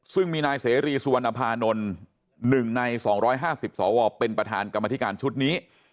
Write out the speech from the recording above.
ซึ่งมีนายเสรีสุวรรณภานนท์๑ใน๒๕๐สวเป็นประธานกรรมธิการชุดนี้